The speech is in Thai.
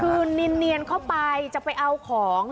คือเนียนเข้าไปจะไปเอาของ